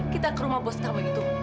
kita ke rumah bos kamu gitu